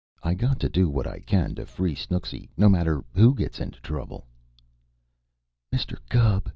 I got to do what I can to free Snooksy, no matter who it gets into trouble." "Mr. Gubb!"